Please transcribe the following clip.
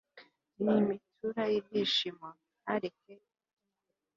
n'imitura y'ibishyimbo ntareka bikora